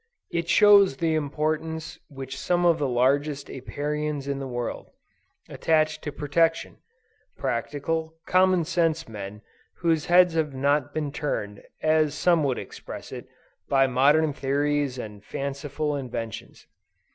It shows the importance which some of the largest Apiarians in the world, attach to protection; practical, common sense men, whose heads have not been turned, as some would express it, by modern theories and fanciful inventions.